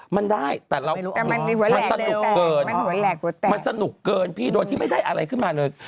มันได้แต่มันสนุกเกินโดยที่ไม่ได้อะไรขึ้นมาเลย